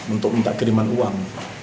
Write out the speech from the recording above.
untuk minta kiriman uang